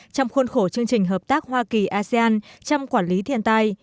trong khuôn khổ chương trình hợp tác hoa kỳ asean chăm quản lý thiên tai